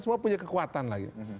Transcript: semua punya kekuatan lagi